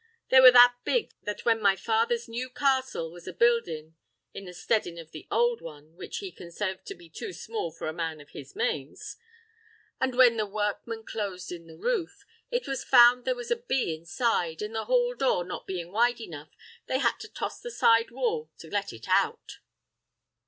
They were that big that when my father's new castle was a buildin' (in the steddin' of the old one which he consaived to be too small for a man of his mains), and when the workmen closed in the roof, it was found there was a bee inside, an' the hall door not bein' wide enough, they had to toss the side wall to let it out.